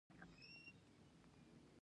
دا حکم موږ مخکې په تفصیل تشرېح کړ.